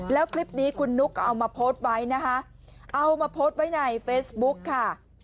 แล้วคลิปนี้คุณนุ๊กก็เอามาโพสต์ไว้นะคะเอามาโพสต์ไว้ในเฟซบุ๊กค่ะ